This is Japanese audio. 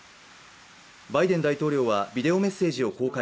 バイデン大統領はビデオメッセージを公開。